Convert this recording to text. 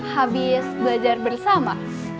habis belajar bersama